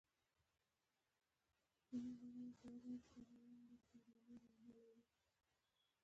د حیواناتو فضله مواد د عضوي سرو له ډلې څخه دي.